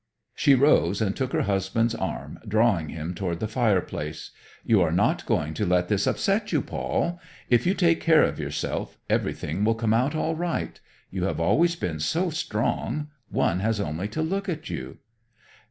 She rose and took her husband's arm, drawing him toward the fireplace. "You are not going to let this upset you, Paul? If you take care of yourself, everything will come out all right. You have always been so strong. One has only to look at you."